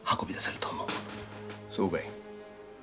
そうかい。